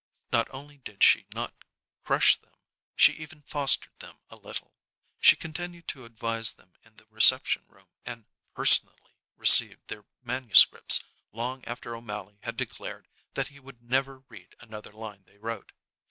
Not only did she not crush them; she even fostered them a little. She continued to advise them in the reception room and "personally" received their manuscripts long after O'Mally had declared that he would never read another line they wrote.